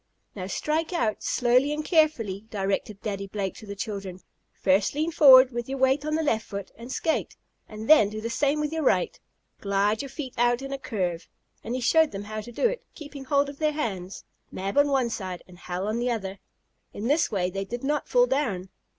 "Now strike out slowly and carefully," directed Daddy Blake to the children. "First lean forward, with your weight on the left foot and skate, and then do the same with your right. Glide your feet out in a curve," and he showed them how to do it, keeping hold of their hands, Mab on one side and Hal on the other. In this way they did not fall down.